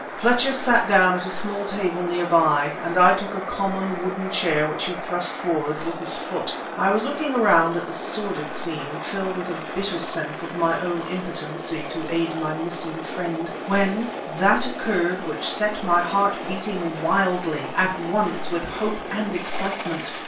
Fletcher sat down at a small table near by, and I took a common wooden chair which he thrust forward with his foot. I was looking around at the sordid scene, filled with a bitter sense of my own impotency to aid my missing friend, when that occurred which set my heart beating wildly at once with hope and excitement.